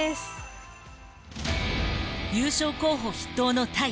優勝候補筆頭のタイ。